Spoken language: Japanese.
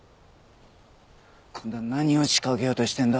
今度は何を仕掛けようとしてんだ？